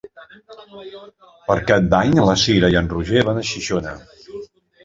Per Cap d'Any na Cira i en Roger van a Xixona.